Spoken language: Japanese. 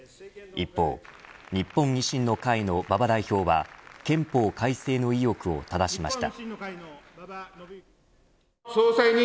一方、日本維新の会の馬場代表は憲法改正への意欲をただしました。